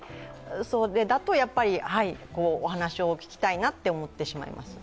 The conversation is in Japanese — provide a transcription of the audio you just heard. それだとやっぱり、お話を聞きたいなって思ってしまいます。